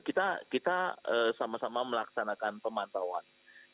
kita sama sama melaksanakan pemantauan